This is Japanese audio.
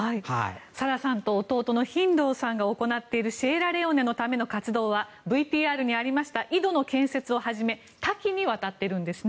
サラさんと弟のヒンドーさんが行っているシエラレオネのための活動はＶＴＲにありました井戸の建設をはじめ多岐にわたっているんです。